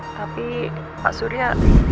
tapi pak surya